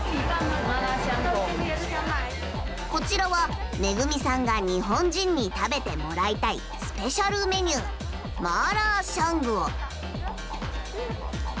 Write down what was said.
こちらは惠美さんが日本人に食べてもらいたいスペシャルメニューマーラーシャングオ。